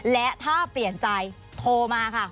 และถ้าเปลี่ยนใจโทรมาค่ะ